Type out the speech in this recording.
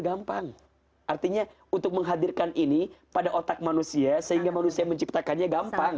gampang artinya untuk menghadirkan ini pada otak manusia sehingga manusia yang menciptakannya gampang